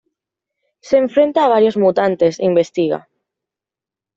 Se enfrenta a varios mutantes e investiga.